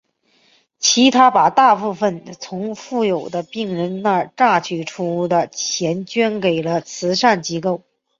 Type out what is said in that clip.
且他把大部分从富有的病人那榨取出的钱捐给了慈善机构。